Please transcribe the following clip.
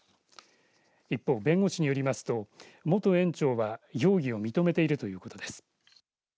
一方、弁護士によりますと元園長は容疑を認めているということです。